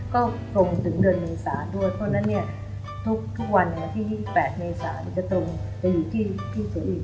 ก็ตรงถึงเดือนเมษาด้วยเพราะฉะนั้นเนี่ยทุกวันวันที่๒๘เมษาจะตรงไปอยู่ที่สุริน